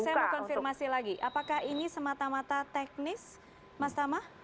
saya mau konfirmasi lagi apakah ini semata mata teknis mas tama